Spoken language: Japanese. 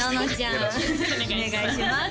お願いします